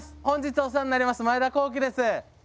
本日お世話になります前田航基です。